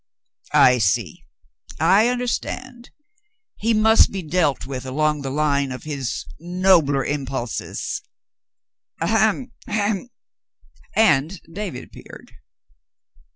"I see. I understand. He must be dealt with along the line of his nobler impulses — ahem — ahem —" and David appeared.